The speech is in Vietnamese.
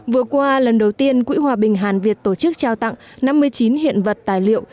vừa qua lần đầu tiên quỹ hòa bình hàn việt tổ chức trao tặng năm mươi chín hiện vật tài liệu